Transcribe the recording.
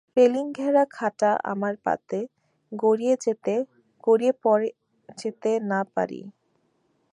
রেলিংঘেরা খাটা আমরা যাতে গড়িয়ে পড়ে যেতে না পারি।